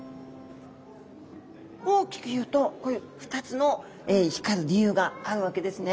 大きく言うとこういう２つの光る理由があるわけですね。